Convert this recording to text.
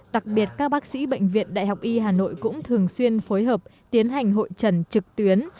đặc biệt các bác sĩ bệnh viện đại học y hà nội cũng thường xuyên phối hợp tiến hành hội trần trực tuyến